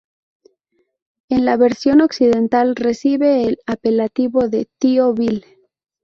En la versión Occidental recibe el apelativo de ""tío Bill"".